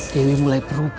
dewi mulai berubah